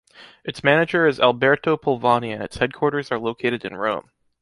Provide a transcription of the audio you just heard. Its manager is Alberto Polvani and its headquarters are located in Rome.